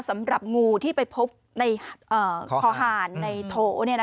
สำหรับงูที่ไปพบในคอหารในโถ